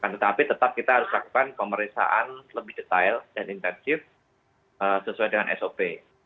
tetapi tetap kita harus lakukan pemeriksaan lebih detail dan intensif sesuai dengan sop